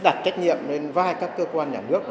đặt trách nhiệm lên vai các cơ quan nhà nước